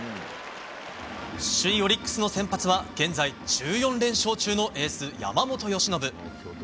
首位オリックスの先発は現在１４連勝中のエース山本由伸。